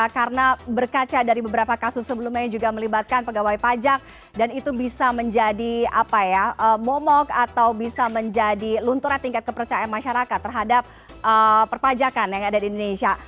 karena berkaca dari beberapa kasus sebelumnya yang juga melibatkan pegawai pajak dan itu bisa menjadi apa ya momok atau bisa menjadi lunturan tingkat kepercayaan masyarakat terhadap perpajakan yang ada di indonesia